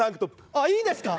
ああいいんですか？